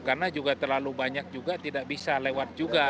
karena juga terlalu banyak juga tidak bisa lewat juga